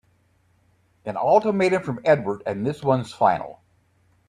An ultimatum from Edward and this one's final!